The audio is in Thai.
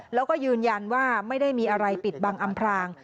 แล้วก็ยืนยันว่าไม่ได้มีอะไรปิดบังอำพราง